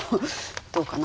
どうかな？